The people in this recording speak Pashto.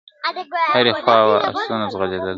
هري خواته وه آسونه ځغلېدله ..